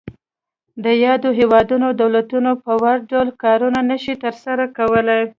د یادو هیوادونو دولتونه په وړ ډول کارونه نشي تر سره کولای.